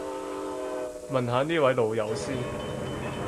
問下呢位老友先